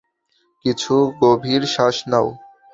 কিছু গভীর শ্বাস নাও।